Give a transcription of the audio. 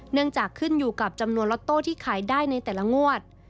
เนื่องจากขึ้นอยู่กับจำนวนล็อตโต้ที่ขายได้ในแต่ละงวด